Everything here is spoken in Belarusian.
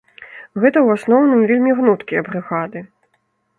Гэта, у асноўным, вельмі гнуткія брыгады.